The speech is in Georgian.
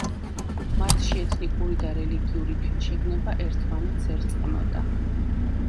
მათში ეთნიკური და რელიგიური თვითშეგნება ერთმანეთს ერწყმოდა.